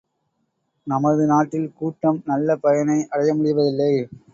நமது நாட்டில் கூட்டம் நல்ல பயனை அடையமுடிவதில்லை.